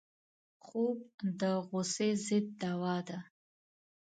خوب د غصې ضد دوا ده